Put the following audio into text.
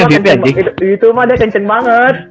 itu mah dia kenceng banget